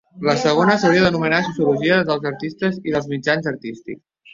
La segona s'hauria d'anomenar sociologia dels artistes i dels mitjans artístics.